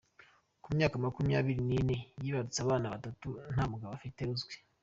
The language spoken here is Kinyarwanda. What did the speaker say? Ku myaka makumyabiri nine yibarutse abana batatu nta mugabo afite uzwi